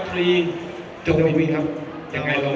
เสียงปลดมือจังกัน